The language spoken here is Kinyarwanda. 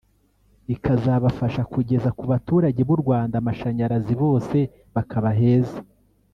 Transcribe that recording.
ikazabafasha kugeza ku baturage b’u Rwanda amashanyarazi bose bakaba heza